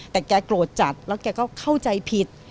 แต่แกโกรธจัดแล้วแกก็เข้าใจผิด